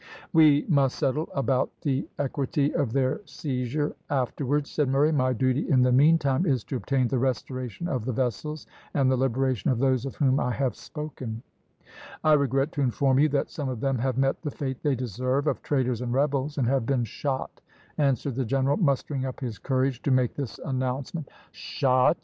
"We must settle about the equity of their seizure afterwards," said Murray; "my duty, in the meantime, is to obtain the restoration of the vessels, and the liberation of those of whom I have spoken." "I regret to inform you that some of them have met the fate they deserve, of traitors and rebels, and have been shot," answered the general, mustering up his courage to make this announcement. "Shot!"